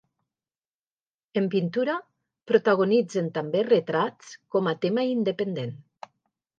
En pintura, protagonitzen també retrats com a tema independent.